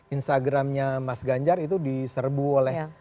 instagramnya mas ganjar itu diserbu oleh